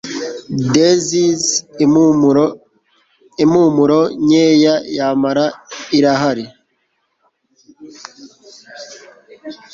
Daisies impumuronkeya yamara irahari